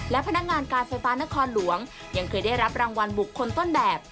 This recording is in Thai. และพนักงานการไฟฟ้านครหลวงยังเคยได้รับรางวัลบุคคลต้นแบบ